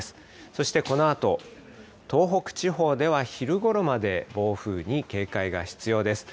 そしてこのあと、東北地方では昼ごろまで暴風に警戒が必要です。